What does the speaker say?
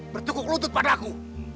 bertukuk lutut padaku